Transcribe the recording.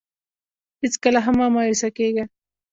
هېڅکله هم مه مایوسه کېږه.